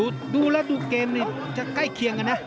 สินเกมนี่ใกล้เคียงกันแหละ